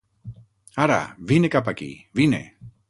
Ara, vine cap aquí! Vine!